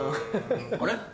あれ？